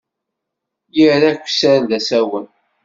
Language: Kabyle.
Irra akesser d asawen.